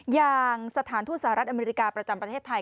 อย่างสถานทูตสหรัฐอเมริกาประจำประเทศไทย